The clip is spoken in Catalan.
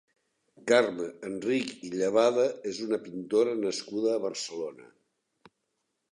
Carme Enrich i Llevada és una pintora nascuda a Barcelona.